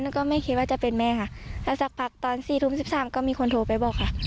แล้วก็ไม่คิดว่าจะเป็นแม่ค่ะแล้วสักพักตอนสี่ทุ่มสิบสามก็มีคนโทรไปบอกค่ะ